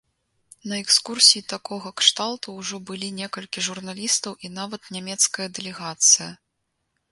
На экскурсіі такога кшталту ўжо былі некалькі журналістаў і нават нямецкая дэлегацыя.